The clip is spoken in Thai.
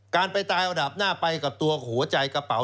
การไปตายอันดับหน้าไปกับตัวหัวใจกระเป๋า